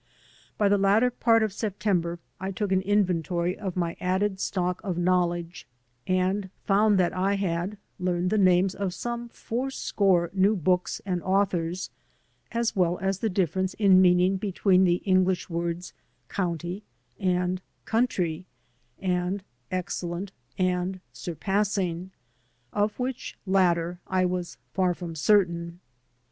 By the latter part of September I took an inventory of my added stock of knowledge, and found that I had learned the names of some fourscore new books and authors as well as the difference in meaning between the English words " county'* and "country" and "ex cellent" and "surpassing," of which latter I was far from certain.